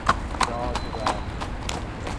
یاد رفت